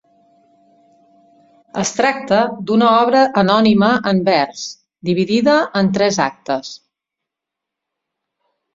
Es tracta d'una obra anònima en vers, dividida en tres actes.